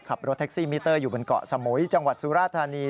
ขับรถแท็กซี่มิเตอร์อยู่บนเกาะสมุยจังหวัดสุราธานี